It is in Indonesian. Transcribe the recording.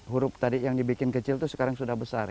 huruf tadi yang dibikin kecil itu sekarang sudah besar